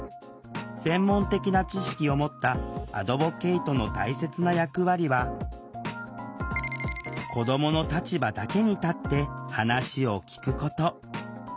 専門的な知識を持ったアドボケイトの大切な役割は子どもの立場だけに立って話を聴くこと。